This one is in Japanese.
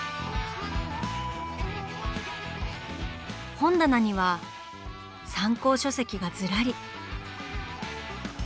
本棚には参考書籍がずらり。